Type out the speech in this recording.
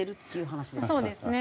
そうですね。